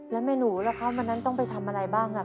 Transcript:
แล้วแม่หนูล่ะครับวันนั้นต้องไปทำอะไรบ้าง